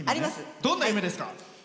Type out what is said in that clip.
どんな夢ですか？